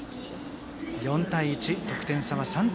４対１、得点差は３点。